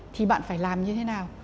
thì bạn phải làm như thế nào